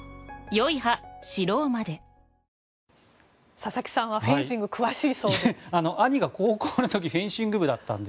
佐々木さんはフェンシング詳しいそうで。